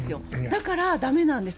だからだめなんです。